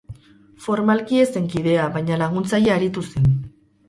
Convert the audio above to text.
Formalki ez zen kidea, baina laguntzaile aritu zen.